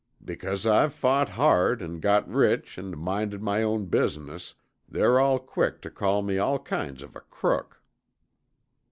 "Because I've fought hard an' got rich an' minded my own business, they're all quick tuh call me all kinds of a crook."